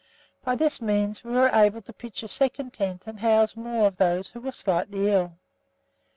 By this means we were able to pitch a second tent and house more of those who were slightly ill.